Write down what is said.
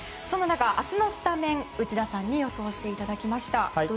そんな中、明日のスタメンを内田さんに予想してもらいました。